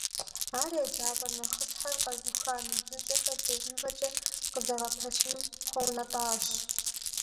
Ар еджапӀэ нэхъыщхьэр къэзуха ныбжьыщӀэхэр лэжьыгъэкӀэ къызэгъэпэщыным хуэунэтӀащ.